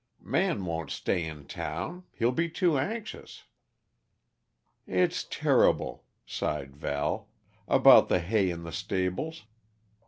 Man won't stay in town hell be too anxious." "It's terrible," sighed Val, "about the hay and the stables.